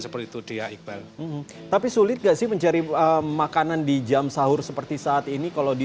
seperti itu dia iqbal tapi sulit nggak sih mencari makanan di jam sahur seperti saat ini kalau di